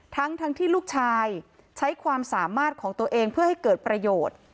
ทั้งที่ลูกชายใช้ความสามารถของตัวเองเพื่อให้เกิดประโยชน์